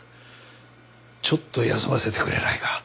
ちょっと休ませてくれないか？